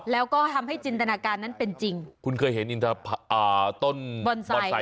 แล้วก็ทำให้จินตนาการนั้นเป็นจริงคุณเคยเห็นอินทราอ่าต้นบอนไซค์